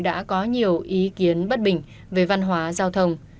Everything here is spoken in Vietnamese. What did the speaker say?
đã có nhiều ý kiến bất bình về văn hóa giao thông